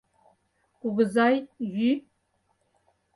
Кугызай, йӱ.